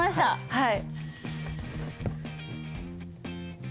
はい。